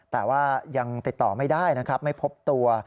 แต่ว่ายังติดต่อไม่ได้นะครับไม่พบตัว